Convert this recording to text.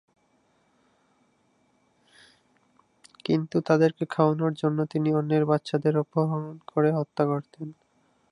কিন্তু তাদেরকে খাওয়ানোর জন্য তিনি অন্যের বাচ্চাদের অপহরণ করে হত্যা করতেন।